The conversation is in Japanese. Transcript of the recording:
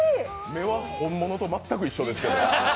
目は本物と全く一緒ですけど。